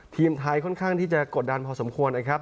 ทีมไทยค่อนข้างที่จะกดดันพอสมควรนะครับ